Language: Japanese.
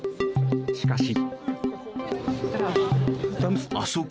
しかし。